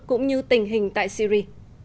cũng như tình hình tại syri